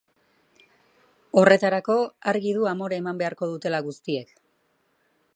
Horretarako, argi du amore eman beharko dutela guztiek.